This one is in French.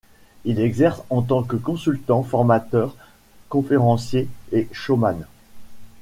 Il exerce en tant que consultant, formateur, conférencier et showman.